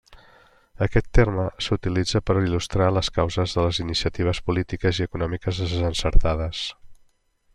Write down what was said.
Aquest terme s'utilitza per il·lustrar les causes de les iniciatives polítiques i econòmiques desencertades.